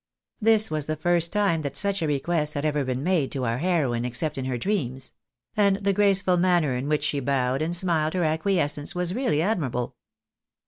This was the first time that such a request had ever been made to our heroine, except in her dreams ; and the graceful manner in which she bowed and smiled her acquiescence, was really admirable.